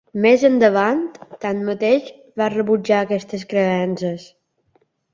Més endavant, tanmateix, va rebutjar aquestes creences.